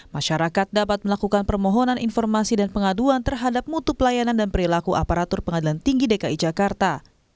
masyarakat dapat melakukan permohonan informasi dan pengaduan terhadap mutu pelayanan dan perilaku aparatur pengadilan tinggi dki jakarta